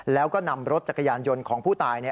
แล้วก็นำรถจักรยานยนต์ของผู้ตาย